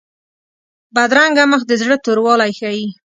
بدرنګه مخ د زړه توروالی ښيي